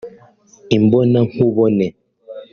imbona-nkubone